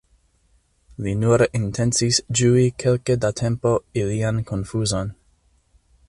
Li nur intencis ĝui kelke da tempo ilian konfuzon!